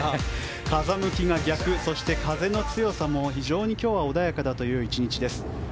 風向きが逆そして風の強さも非常に今日は穏やかだという１日です。